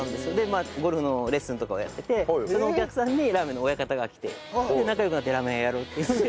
まあゴルフのレッスンとかをやっていてそのお客さんにラーメンの親方が来て仲良くなってラーメン屋やろうっていって。